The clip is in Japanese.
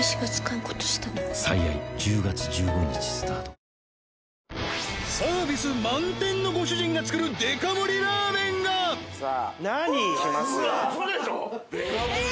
カップもサービス満点のご主人が作るデカ盛ラーメンがえーっ